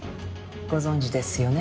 ご存じですよね？